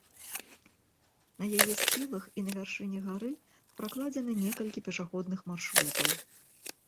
На яе схілах і на вяршыні гары пракладзена некалькі пешаходных маршрутаў.